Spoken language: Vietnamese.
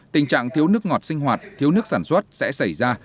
tình trạng thiếu nước ngọt sinh hoạt thiếu nước sản xuất sẽ xảy ra